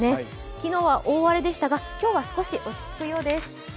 昨日は大荒れでしたが、今日は少し落ち着くようです。